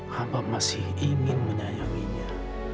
hamba masih ingin menyayanginya